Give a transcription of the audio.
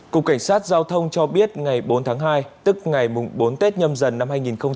cục cảnh sát giao thông cho biết ngày bốn tháng hai tức ngày bốn tết nhâm dần năm hai nghìn hai mươi